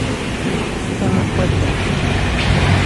Tama n wadda.